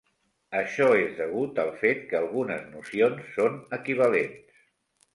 Això és degut al fet que algunes nocions són equivalents.